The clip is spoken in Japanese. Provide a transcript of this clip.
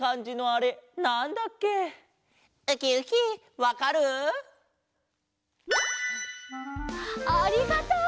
ありがとう！